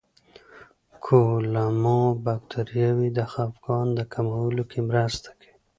کولمو بکتریاوې د خپګان د کمولو کې مرسته کوي.